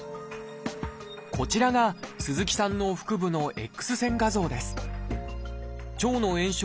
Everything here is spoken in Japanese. こちらが鈴木さんの腹部のＸ線画像です